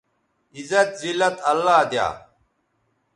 عزت، زلت اللہ دیا